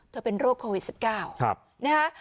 เป็นโรคโควิด๑๙นะฮะ